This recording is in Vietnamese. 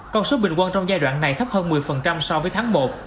con số bình quân trong giai đoạn này thấp hơn một mươi so với tháng một